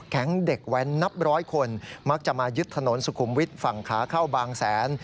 เด็กแว้นนับร้อยคนมักจะมายึดถนนสุขุมวิทย์ฝั่งขาเข้าบางแสน